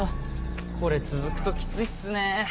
これ続くときついっすね。